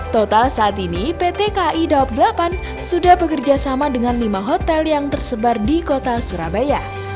total saat ini pt kai daob delapan sudah bekerja sama dengan lima hotel yang tersebar di kota surabaya